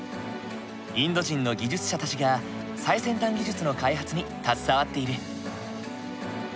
インド人の技術者たちが最先端技術の開発に携わっている。